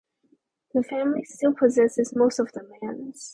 The family still possesses most of the lands.